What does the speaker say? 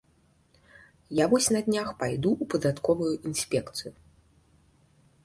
Я вось на днях пайду ў падатковую інспекцыю.